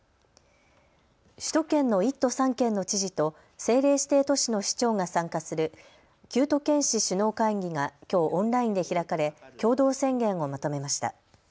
首都圏の１都３県の知事と政令指定都市の市長が参加する九都県市首脳会議がきょうオンラインで開かれ共同宣言をまとめました。